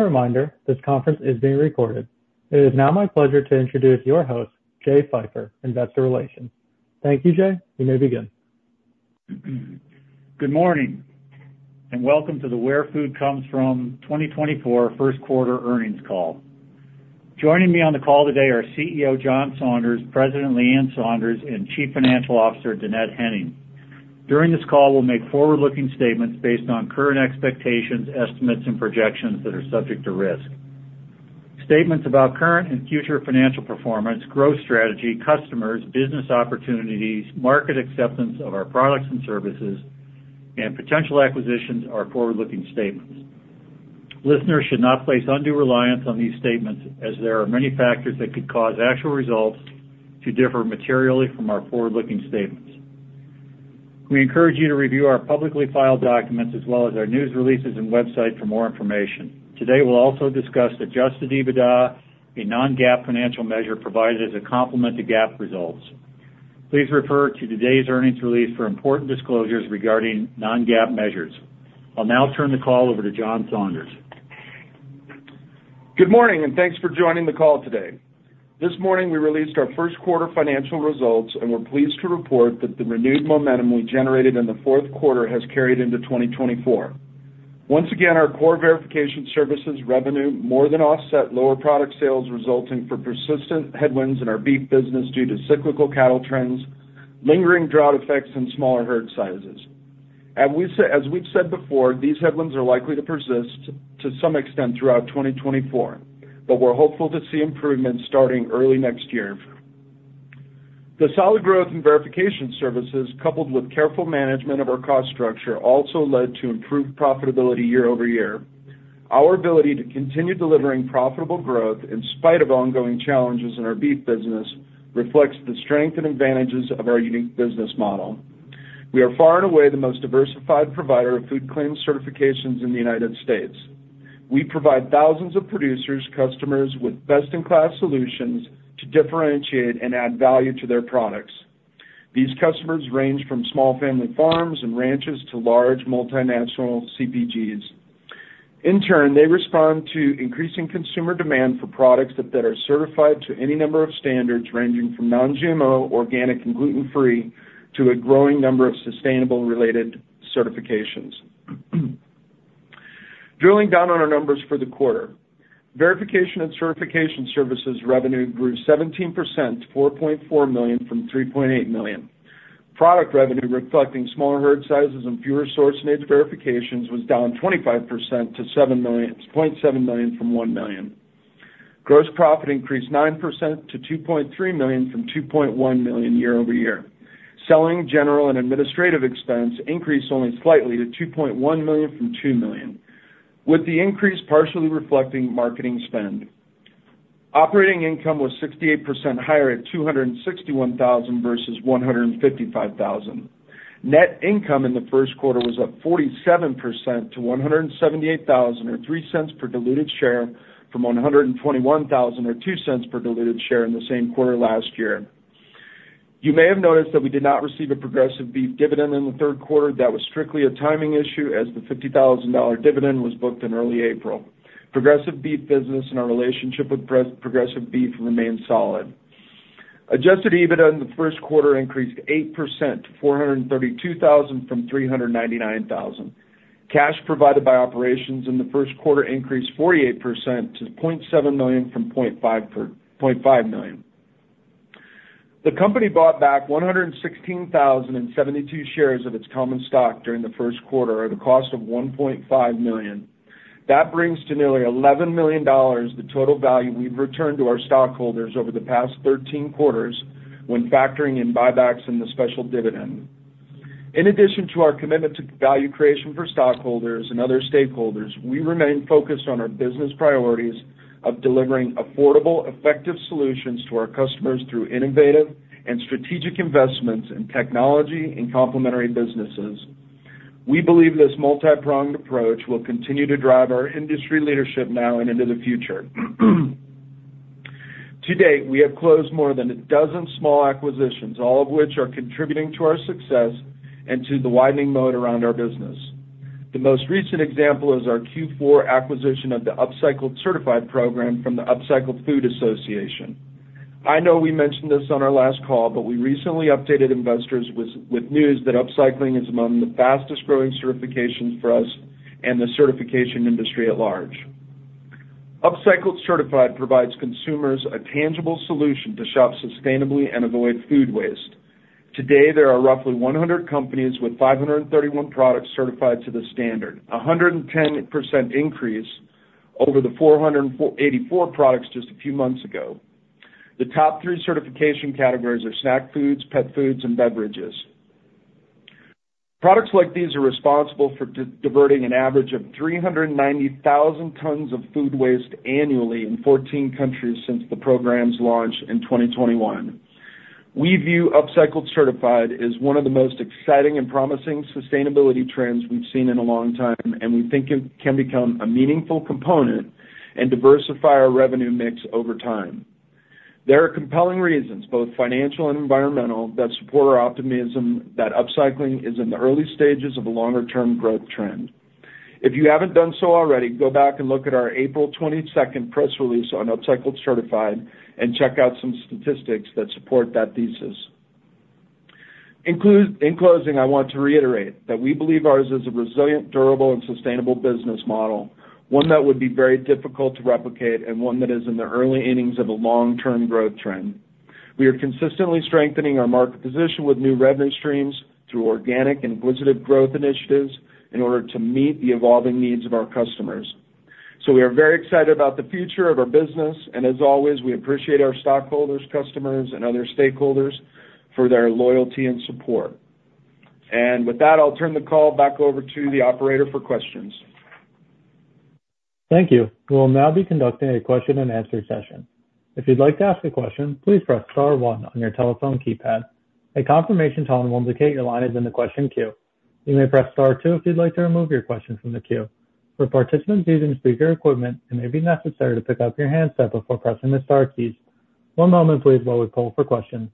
Reminder: this conference is being recorded. It is now my pleasure to introduce your host, Jay Pfeiffer, Investor Relations. Thank you, Jay. You may begin. Good morning, and welcome to the Where Food Comes From 2024 first quarter earnings call. Joining me on the call today are CEO John Saunders, President Leann Saunders, and Chief Financial Officer Dannette Henning. During this call, we'll make forward-looking statements based on current expectations, estimates, and projections that are subject to risk. Statements about current and future financial performance, growth strategy, customers, business opportunities, market acceptance of our products and services, and potential acquisitions are forward-looking statements. Listeners should not place undue reliance on these statements, as there are many factors that could cause actual results to differ materially from our forward-looking statements. We encourage you to review our publicly filed documents as well as our news releases and website for more information. Today, we'll also discuss Adjusted EBITDA, a non-GAAP financial measure provided as a complement to GAAP results. Please refer to today's earnings release for important disclosures regarding non-GAAP measures. I'll now turn the call over to John Saunders. Good morning, and thanks for joining the call today. This morning, we released our first quarter financial results, and we're pleased to report that the renewed momentum we generated in the fourth quarter has carried into 2024. Once again, our core verification services revenue more than offset lower product sales resulting from persistent headwinds in our beef business due to cyclical cattle trends, lingering drought effects, and smaller herd sizes. As we've said before, these headwinds are likely to persist to some extent throughout 2024, but we're hopeful to see improvements starting early next year. The solid growth in verification services, coupled with careful management of our cost structure, also led to improved profitability year-over-year. Our ability to continue delivering profitable growth in spite of ongoing challenges in our beef business reflects the strength and advantages of our unique business model. We are far and away the most diversified provider of food claims certifications in the United States. We provide thousands of producers' customers with best-in-class solutions to differentiate and add value to their products. These customers range from small family farms and ranches to large multinational CPGs. In turn, they respond to increasing consumer demand for products that are certified to any number of standards ranging from non-GMO, organic, and gluten-free to a growing number of sustainable-related certifications. Drilling down on our numbers for the quarter, verification and certification services revenue grew 17% to $4.4 from 3.8 million. Product revenue reflecting smaller herd sizes and fewer source-verified verifications was down 25% to $0.7 to 1 million. Gross profit increased 9% to $2.3 from 2.1 million year-over-year. Selling, general, and administrative expense increased only slightly to $2.1 from 2 million, with the increase partially reflecting marketing spend. Operating income was 68% higher at $261,000 versus 155,000. Net income in the first quarter was up 47% to $178,000 or 0.03 per diluted share from $121,000 or 0.02 per diluted share in the same quarter last year. You may have noticed that we did not receive a Progressive Beef dividend in the third quarter. That was strictly a timing issue, as the $50,000 dividend was booked in early April. Progressive Beef business and our relationship with Progressive Beef remained solid. Adjusted EBITDA in the first quarter increased 8% to $432,000 from 399,000. Cash provided by operations in the first quarter increased 48% to $0.7 from 0.5 million. The company bought back 116,072 shares of its common stock during the first quarter at a cost of $1.5 million. That brings to nearly $11 million the total value we've returned to our stockholders over the past 13 quarters when factoring in buybacks and the special dividend. In addition to our commitment to value creation for stockholders and other stakeholders, we remain focused on our business priorities of delivering affordable, effective solutions to our customers through innovative and strategic investments in technology and complementary businesses. We believe this multi-pronged approach will continue to drive our industry leadership now and into the future. To date, we have closed more than a dozen small acquisitions, all of which are contributing to our success and to the widening moat around our business. The most recent example is our Q4 acquisition of the Upcycled Certified program from the Upcycled Food Association. I know we mentioned this on our last call, but we recently updated investors with news that upcycling is among the fastest-growing certifications for us and the certification industry at large. Upcycled Certified provides consumers a tangible solution to shop sustainably and avoid food waste. Today, there are roughly 100 companies with 531 products certified to the standard, a 110% increase over the 484 products just a few months ago. The top three certification categories are snack foods, pet foods, and beverages. Products like these are responsible for diverting an average of 390,000 tons of food waste annually in 14 countries since the program's launch in 2021. We view Upcycled Certified as one of the most exciting and promising sustainability trends we've seen in a long time, and we think it can become a meaningful component and diversify our revenue mix over time. There are compelling reasons, both financial and environmental, that support our optimism that upcycling is in the early stages of a longer-term growth trend. If you haven't done so already, go back and look at our April 22 press release on Upcycled Certified and check out some statistics that support that thesis. In closing, I want to reiterate that we believe ours is a resilient, durable, and sustainable business model, one that would be very difficult to replicate and one that is in the early innings of a long-term growth trend. We are consistently strengthening our market position with new revenue streams through organic and acquisitive growth initiatives in order to meet the evolving needs of our customers. So we are very excited about the future of our business, and as always, we appreciate our stockholders, customers, and other stakeholders for their loyalty and support. With that, I'll turn the call back over to the operator for questions. Thank you. We'll now be conducting a question-and-answer session. If you'd like to ask a question, please press star one on your telephone keypad. A confirmation tone will indicate your line is in the question queue. You may press star two if you'd like to remove your question from the queue. For participants using speaker equipment, it may be necessary to pick up your handset before pressing the star keys. One moment, please, while we pull for questions.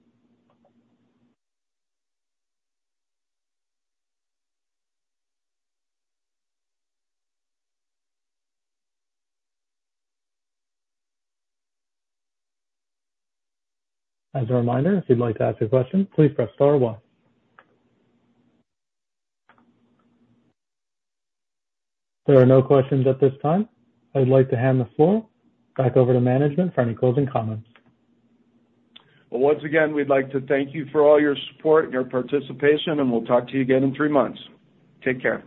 As a reminder, if you'd like to ask a question, please press star one. There are no questions at this time. I'd like to hand the floor back over to management for any closing comments. Well, once again, we'd like to thank you for all your support and your participation, and we'll talk to you again in three months. Take care.